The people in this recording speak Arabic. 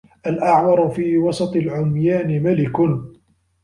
الأعور في وسط العميان ملك